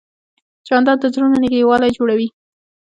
جانداد د زړونو نږدېوالی جوړوي.